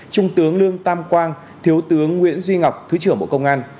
trung tướng lương tam quang thiếu tướng nguyễn duy ngọc thứ trưởng bộ công an